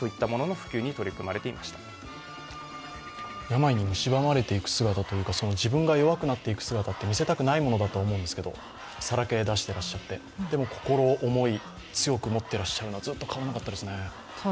病にむしばまれていく姿というか、自分が弱くなっていく姿は見せたくないものだと思うんですけれどもさらけ出していらっしゃって、でも、心思い、強く持っているのはずっと変わらなかったですね。